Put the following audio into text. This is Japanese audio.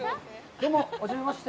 どうも、初めまして。